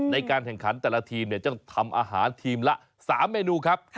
ในการแข่งขันแต่ละทีมต้องทำอาหารทีมละ๓เมนูครับ